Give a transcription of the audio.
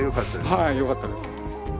はいよかったです。